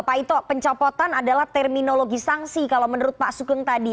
pak ito pencopotan adalah terminologi sanksi kalau menurut pak sugeng tadi